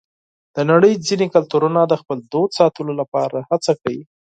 د نړۍ ځینې کلتورونه د خپل دود ساتلو لپاره هڅه کوي.